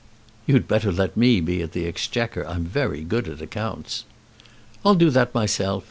"You'd better let me be at the exchequer. I'm very good at accounts." "I'll do that myself.